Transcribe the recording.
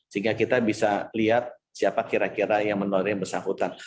sehingga kita bisa lihat siapa kira kira yang menolong yang bersangkutan